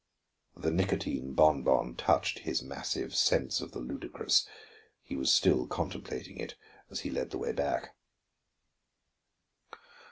The nicotine bon bon touched his massive sense of the ludicrous; he was still contemplating it as he led the way back.